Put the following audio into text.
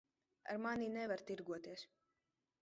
Ar mani nevar tirgoties.